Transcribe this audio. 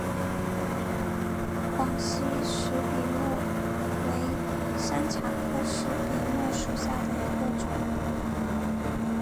广西石笔木为山茶科石笔木属下的一个种。